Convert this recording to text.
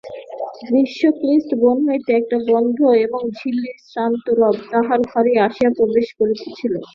গ্রীষ্মক্লিষ্ট বন হইতে একটা গন্ধ এবং ঝিল্লির শ্রান্তরব তাহার ঘরে আসিয়া প্রবেশ করিতেছিল।